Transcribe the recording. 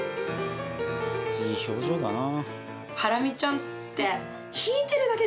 いい表情だな